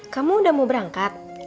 kamu udah mau berangkat